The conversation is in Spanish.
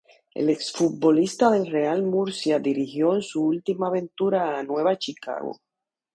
El ex futbolista del Real Murcia dirigió en su última aventura a Nueva Chicago.